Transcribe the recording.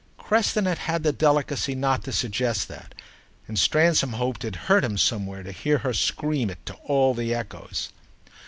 Creston had had the delicacy not to suggest that, and Stransom hoped it hurt him somewhere to hear her scream it to all the echoes.